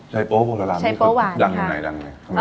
ชัยโป๊ะโพธารามนี่เขาดังอยู่ไหนทำไมดัง